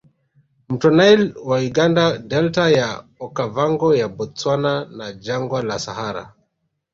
Mto Nile wa Uganda Delta ya Okava ngo ya Bostwana na Jangwa la Sahara